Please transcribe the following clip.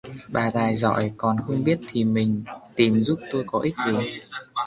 bà tài giỏi còn không biết thì tìm giúp tôi có ích gì